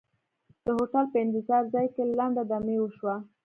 د هوټل په انتظار ځای کې لنډه دمې وشوه.